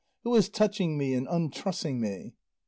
Who is touching me and untrussing me?"